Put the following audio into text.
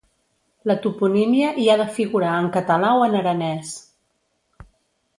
La toponímia hi ha de figurar en català o en aranès.